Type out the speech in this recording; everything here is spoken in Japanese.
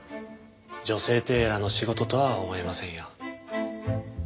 女性テーラーの仕事とは思えませんよ。